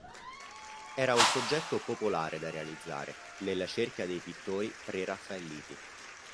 Era un soggetto popolare da realizzare, nella cerchia dei pittori preraffaelliti.